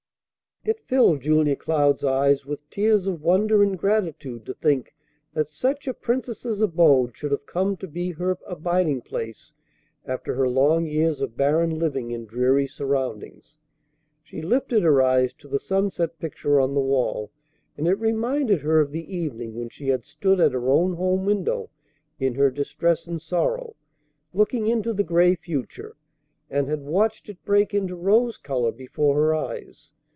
It filled Julia Cloud's eyes with tears of wonder and gratitude to think that such a princess's abode should have come to be her abiding place after her long years of barren living in dreary surroundings. She lifted her eyes to the sunset picture on the wall, and it reminded her of the evening when she had stood at her own home window in her distress and sorrow, looking into the gray future, and had watched it break into rose color before her eyes.